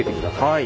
はい。